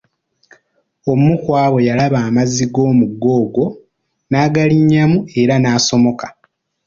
Omu ku abo yalaba amazzi g'omugga ogwo, n'agalinnyamu era n'agasomoka.